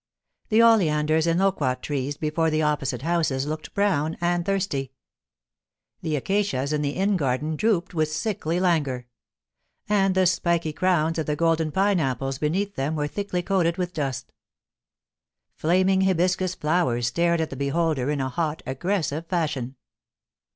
The oleanders and loquat trees before the opposite houses looked brown and thirsty. The acacias in the inn garden drooped with sickly languor ; and the spiky crowns of the golden pine apples beneath them were thickly coated with dust. Flaming hibiscus flowers stared at the beholder in a hot, aggressive fashion.